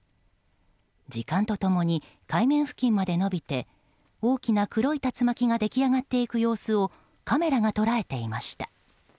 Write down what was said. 時間と共に海面付近まで伸びて大きな黒い竜巻が出来上がっていく様子をカメラが捉えていました。